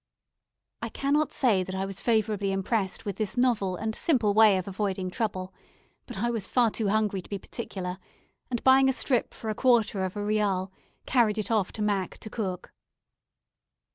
I cannot say that I was favourably impressed with this novel and simple way of avoiding trouble, but I was far too hungry to be particular, and buying a strip for a quarter of a real, carried it off to Mac to cook.